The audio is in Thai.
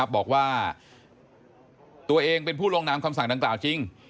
บอกว่าตัวเองเป็นผู้ลงนามคำสั่งดังกล่าวจริง